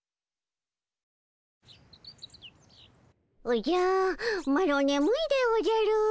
おじゃマロねむいでおじゃる。